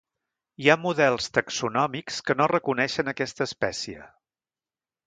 Hi ha models taxonòmics que no reconeixen aquesta espècie.